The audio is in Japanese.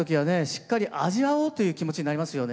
しっかり味わおうという気持ちになりますよね。